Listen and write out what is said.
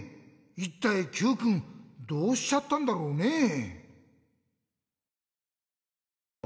いったいＱくんどうしちゃったんだろうねぇ？